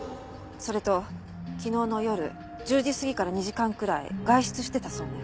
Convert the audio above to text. それと昨日の夜１０時過ぎから２時間くらい外出してたそうね。